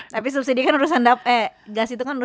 tapi subsidi kan urusan dapur